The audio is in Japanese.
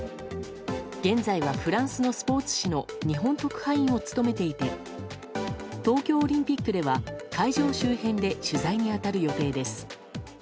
現在はフランスのスポーツ紙の日本特派員を務めていて東京オリンピックでは会場周辺で取材に当たる予定です。